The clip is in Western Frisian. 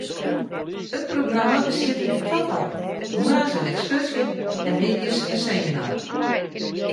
It programma bestiet út twa parten: moarns in ekskurzje en middeis in seminar.